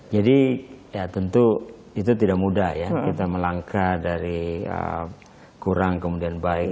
ya tentu itu tidak mudah ya kita melangkah dari kurang kemudian baik